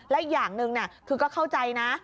และอีกอย่างหนึ่งคือก็เข้าใจนะ